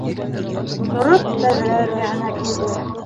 Тороп, тәҙрә эргәһенә килде.